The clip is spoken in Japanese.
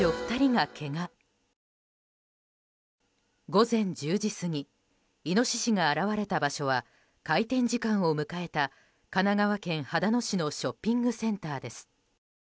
午前１０時過ぎイノシシが現れた場所は開店時間を迎えた神奈川県秦野市のショッピングセンターです。